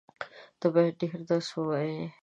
ته بايد ډېر درس ووایې.